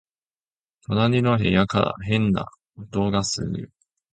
隣の部屋から変な音がするよ